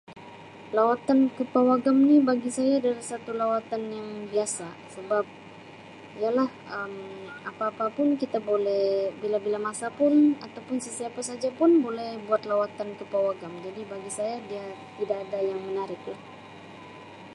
Lawatan ke pawagam ni bagi saya satu lawatan yang biasa sebab yalah Um apa-apa pun kita boleh bila-bila masa pun atau pun sesiapa saja pun boleh buat lawatan ke pawagam jadi bagi saya dia tidak ada yang menarik lah